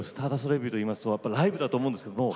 レビューといいますとやっぱライブだと思うんですけども。